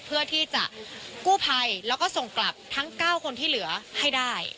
เพื่อที่จะกู้ภัยแล้วก็ส่งกลับทั้ง๙คนที่เหลือให้ได้